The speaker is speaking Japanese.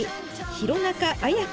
弘中綾香